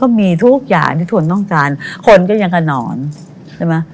มีทุกอย่างที่คุณต้องการคนก็ยังกระหนอนใช่ไหม